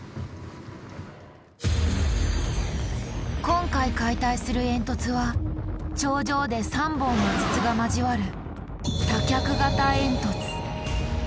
今回解体する煙突は頂上で３本の筒が交わる